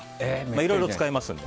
いろいろ使えますので。